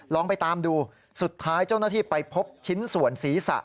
ลองไปตามดูสุดท้ายเจ้าหน้าที่ไปพบชิ้นส่วนศีรษะ